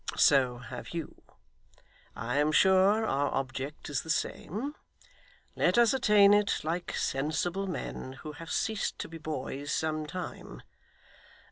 So have you. I am sure our object is the same. Let us attain it like sensible men, who have ceased to be boys some time.